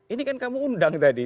ini kan kamu undang tadi